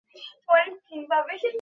আরো হাজারটা প্রশ্ন তো আছেই।